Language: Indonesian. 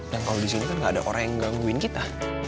dan kalau di sini kan gak ada orang yang gangguin kita